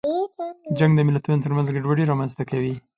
جنګ د ملتونو ترمنځ ګډوډي رامنځته کوي.